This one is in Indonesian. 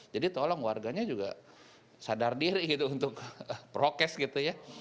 jadi tolong warganya juga sadar diri gitu untuk prokes gitu ya